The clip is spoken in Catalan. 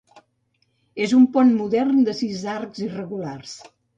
És un pont modern de sis arcs irregulars.